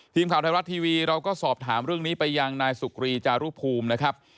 ทีมข่าวไทยรัฐทีวีเราก็สอบถามเรื่องนี้ไปยังนายสุกรีจารุภูมินะครับ